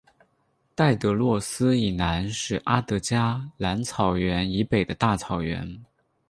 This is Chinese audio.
戴德洛斯以南是阿德加蓝草原以北的大草原。